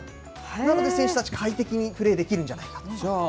なので、選手たち、快適にプレーできるんじゃないかと。